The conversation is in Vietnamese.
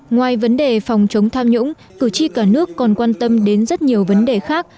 ngoài vấn đề phòng chống tham nhũng cử tri cả nước còn quan tâm đến rất nhiều vấn đề khác